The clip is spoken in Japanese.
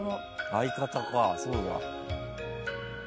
相方かそうだ。